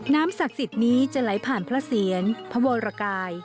ศักดิ์สิทธิ์นี้จะไหลผ่านพระเสียรพระวรกาย